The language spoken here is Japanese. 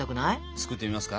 作ってみますか？